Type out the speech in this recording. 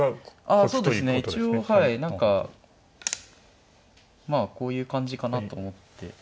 あそうですね。一応はい何かまあこういう感じかなと思って。